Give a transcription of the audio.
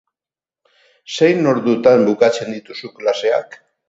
Zein ordutan bukatzen dituzu klaseak?